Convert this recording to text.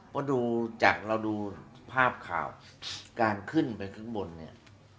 เพราะดูจากเราดูภาพข่าวการขึ้นไปข้างบนเนี่ย